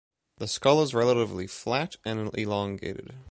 The skull is relatively flat and elongated.